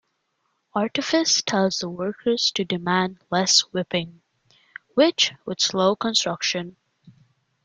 Artifis tells the workers to demand less whipping, which would slow construction.